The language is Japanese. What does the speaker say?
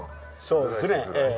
そうですねええ。